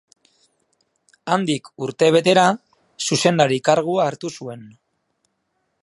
Handik urtebetera zuzendari kargua hartu zuen.